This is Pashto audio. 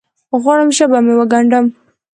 غواړم ژبه مې وګنډم